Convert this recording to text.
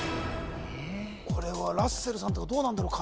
これはラッセルさんとかどうなんだろう